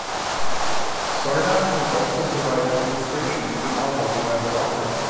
Sarnath has also provided illustrations for novels by other authors.